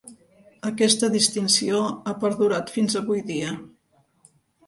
Aquesta distinció ha perdurat fins avui dia.